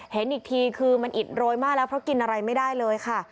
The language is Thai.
เห็นอีกทีคือมันอิดโรยมากแล้วเพราะกินอะไรไม่ได้เลยค่ะ